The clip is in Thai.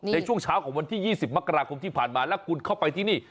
ในช่วงเช้าของวันที่๒๐มกราคมที่ผ่านมาแล้วคุณเข้าไปที่นี่